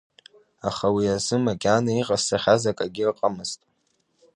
Аха уи азы макьана иҟасҵахьаз акагьы ыҟамызт.